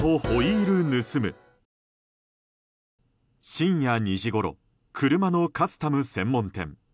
深夜２時ごろ車のカスタム専門店。